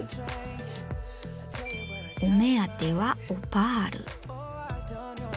お目当てはオパール。